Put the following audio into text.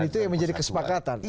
dan itu yang menjadi kesepakatan